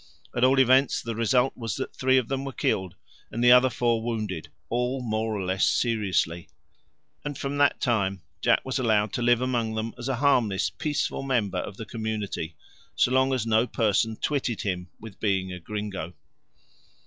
At all events, the result was that three of them were killed and the other four wounded, all more or less seriously. And from that time Jack was allowed to live among them as a harmless, peaceful member of the community, so long as no person twitted him with being a gringo.